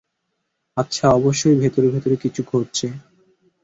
আচ্ছা, অবশ্যই ভেতরে ভেতরে কিছু ঘটছে।